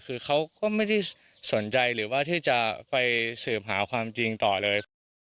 คือเขาก็ไม่ได้สนใจหรือว่าที่จะไปสืบหาความจริงต่อเลยครับ